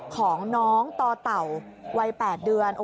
ของน้องต่อเต่าวัย๘เดือน